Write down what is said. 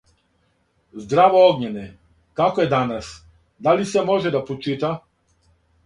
Zdravo Ognjene, kako je danas? Da li sve može da pročita?